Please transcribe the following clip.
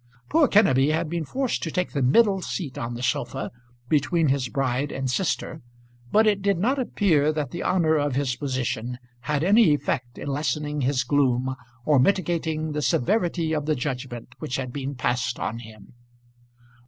Poor Kenneby had been forced to take the middle seat on the sofa between his bride and sister; but it did not appear that the honour of his position had any effect in lessening his gloom or mitigating the severity of the judgment which had been passed on him.